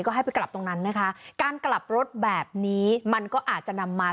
ก็ให้ไปกลับตรงนั้นนะคะการกลับรถแบบนี้มันก็อาจจะนำมา